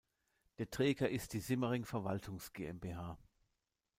Der Träger ist die Simmering Verwaltungs GmbH.